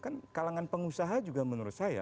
kan kalangan pengusaha juga menurut saya